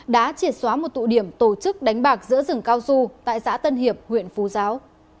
đã triệt xóa một tụ điểm tổ chức đánh bạc giữa rừng cao su tại xã tân hiệp huyện phú giáo